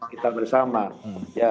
kita bersama ya